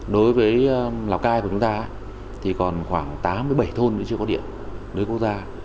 đối với lào cai của chúng ta thì còn khoảng tám mươi bảy thôn nữa chưa có điện lưới quốc gia